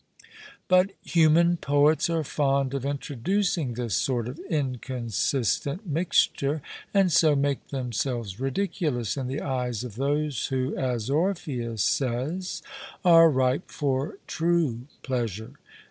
But human poets are fond of introducing this sort of inconsistent mixture, and so make themselves ridiculous in the eyes of those who, as Orpheus says, 'are ripe for true pleasure.'